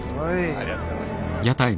ありがとうございます。